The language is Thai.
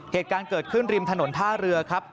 เหตุการณ์เกิดขึ้นริมถนนท่าเรือครับ